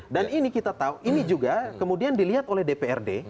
dan ini kita tahu ini juga kemudian dilihat oleh dprd